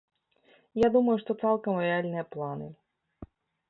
Я думаю, што цалкам рэальныя планы.